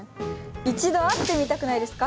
一度会ってみたくないですか？